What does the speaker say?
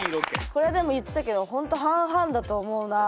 これはでも言ってたけどほんと半々だと思うなあ。